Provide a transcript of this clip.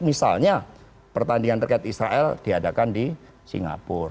misalnya pertandingan terkait israel diadakan di singapura